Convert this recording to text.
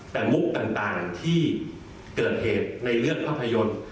แต่มุกต่างที่เกิดเหตุในเรื่องภาพยนตร์